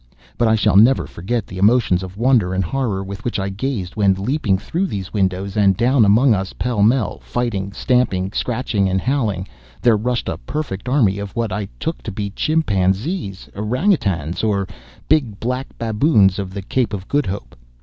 But I shall never forget the emotions of wonder and horror with which I gazed, when, leaping through these windows, and down among us pêle mêle, fighting, stamping, scratching, and howling, there rushed a perfect army of what I took to be chimpanzees, ourang outangs, or big black baboons of the Cape of Good Hope.